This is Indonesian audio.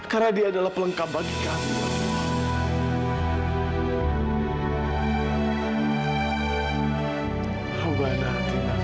karena dia adalah pelengkap bagi kami ya allah